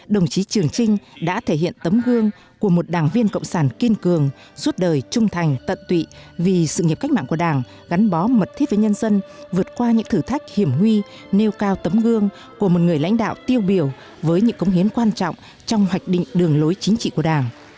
đồng chí trường trinh đã thể hiện tấm gương của một đảng viên cộng sản kiên cường suốt đời trung thành tận tụy vì sự nghiệp cách mạng của đảng gắn bó mật thiết với nhân dân vượt qua những thử thách hiểm nguy nêu cao tấm gương của một người lãnh đạo tiêu biểu với những cống hiến quan trọng trong hoạch định đường lối chính trị của đảng